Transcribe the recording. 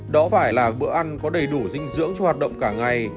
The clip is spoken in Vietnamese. đó phải là bữa ăn có đầy đủ dinh dưỡng cho hoạt động cả ngày